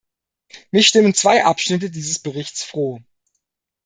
Mich stimmen zwei Abschnitte dieses Berichts froh.